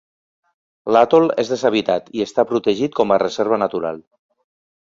L'atol és deshabitat i està protegit com a reserva natural.